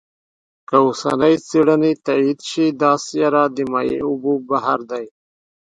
که اوسنۍ څېړنې تایید شي، دا سیاره د مایع اوبو بحر لري.